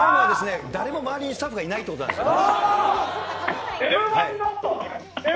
誰も周りにスタッフがいないってことなんですね。